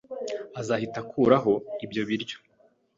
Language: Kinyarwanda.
Azahita akuraho ibyo biryo.